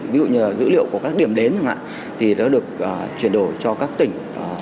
ví dụ như là dữ liệu của các điểm đến thì nó được chuyển đổi cho các tỉnh